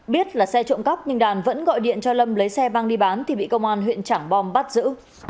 biết là xe trộm cắp nhưng đàn vẫn gọi điện cho lâm lấy xe mang đi bán thì bị công an huyện trảng bom bắt giữ